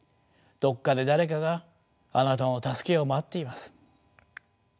どこかで誰かがあなたの助けを待っています。